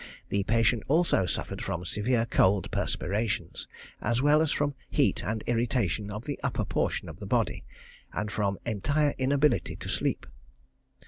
The patient also suffered from severe cold perspirations, as well as from heat and irritation of the upper portion of the body, and from entire inability to sleep.